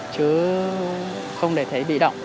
chứ không để thế bị động